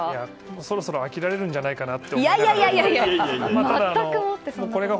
そろそろ飽きられるんじゃないかと思いながら。